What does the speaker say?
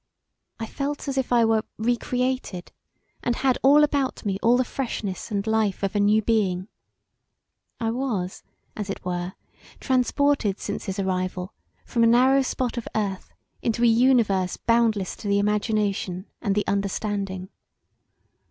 I felt as if I were recreated and had about me all the freshness and life of a new being: I was, as it were, transported since his arrival from a narrow spot of earth into a universe boundless to the imagination and the understanding.